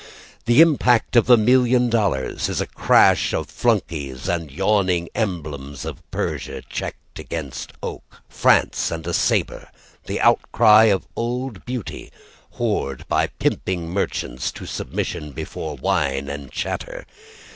The impact of a million dollars Is a crash of flunkys, And yawning emblems of Persia Cheeked against oak, France and a sabre, The outcry of old beauty Whored by pimping merchants To submission before wine and chatter.